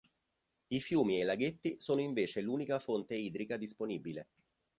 I fiumi e i laghetti sono invece l'unica fonte idrica disponibile.